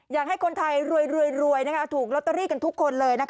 อยากให้คนไทยรวยถูกลอตเตอรี่กันทุกคนเลย